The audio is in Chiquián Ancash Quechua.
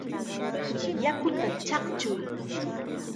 ¡Yakuta chaqchuy!